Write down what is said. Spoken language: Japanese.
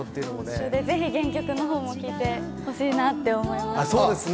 ぜひ原曲のほうも聴いてほしいなと思いますね。